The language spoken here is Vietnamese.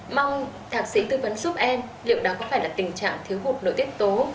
mong thạc sĩ tư vấn giúp em liệu đó có phải là tình trạng thiếu hụt nội tiết tố